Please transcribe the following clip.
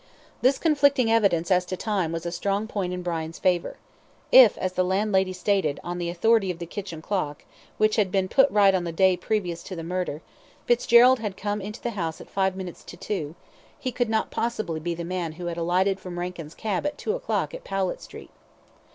This conflicting evidence as to time was a strong point in Brian's favour. If, as the landlady stated, on the authority of the kitchen clock, which had been put right on the day previous to the murder, Fitzgerald had come into the house at five minutes to two, he could not possibly be the man who had alighted from Rankin's cab at two o'clock at Powlett Street.